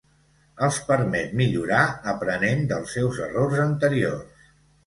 Els permet millorar aprenent dels seus errors anteriors.